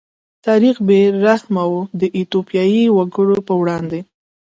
تاریخ بې رحمه و د ایتوپیايي وګړو په وړاندې.